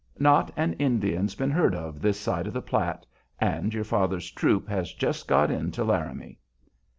Not an Indian's been heard of this side of the Platte, and your father's troop has just got in to Laramie."